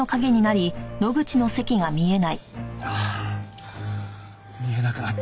ああ見えなくなった。